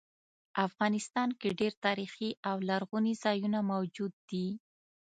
افغانستان کې ډیر تاریخي او لرغوني ځایونه موجود دي